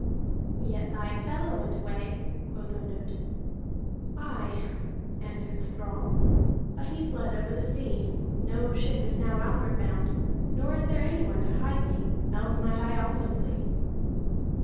"Yet thy fellow went away," quoth Ondott. "Aye," answered the thrall, "but he fled over the sea. No ship is now outward bound, nor is there anyone to hide me. Else might I also flee."